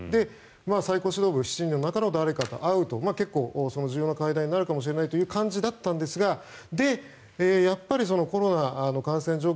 最高指導部７人の中の誰かと会うと重要な会談になるかもしれないという感じだったんですがで、やっぱりコロナの感染状況